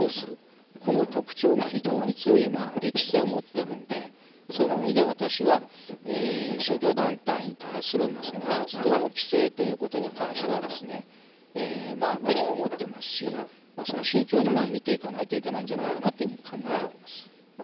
この特徴が非常に強い歴史性を持ってるんでその意味で私は宗教団体に対する活動の規制ということに関してはですね懸念を持ってますし慎重に見ていかないといけないんじゃないかなというふうに考えております。